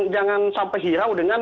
jangan sampai hirau dengan